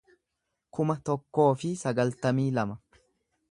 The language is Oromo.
kuma tokkoo fi sagaltamii lama